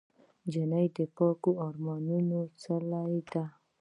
نجلۍ د پاکو ارمانونو څېره ده.